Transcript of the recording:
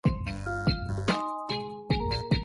Se conocen hasta dos diferentes versiones de bala.